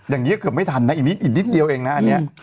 อย่างนี้ก็เกือบไม่ทันนะอีกนิดอีกนิดเดียวเองนะอันนี้